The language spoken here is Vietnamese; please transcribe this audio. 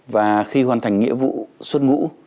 và khi hoàn thành nghĩa vụ xuất ngũ